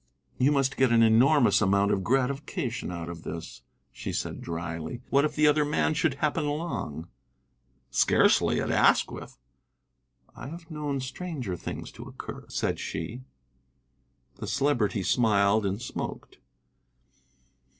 "You must get an enormous amount of gratification out of this," she said dryly. "What if the other man should happen along?" "Scarcely at Asquith." "I have known stranger things to occur," said she. The Celebrity smiled and smoked.